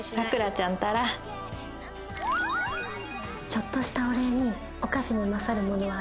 ちょっとしたお礼にお菓子に勝るものはありません。